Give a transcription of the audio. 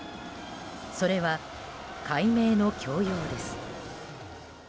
それは改名の強要です。